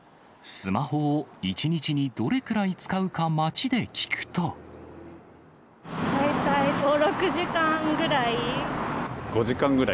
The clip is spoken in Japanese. スマホを１日にどれくらい使大体５、６時間ぐらい。